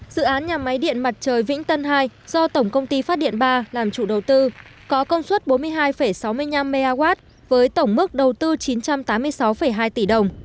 dự án nhà máy điện mặt trời vĩnh tân hai do tổng công ty phát điện ba làm chủ đầu tư có công suất bốn mươi hai sáu mươi năm mw với tổng mức đầu tư chín trăm tám mươi sáu hai tỷ đồng